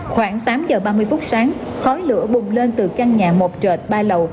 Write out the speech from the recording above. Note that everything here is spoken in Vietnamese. khoảng tám giờ ba mươi phút sáng khói lửa bùng lên từ căn nhà một trệt ba lầu